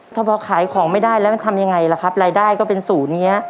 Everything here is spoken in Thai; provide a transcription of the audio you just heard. ถ้าพอขายของไม่ได้แล้วมันทำยังไงล่ะครับรายได้ก็เป็นศูนย์อย่างเงี้ย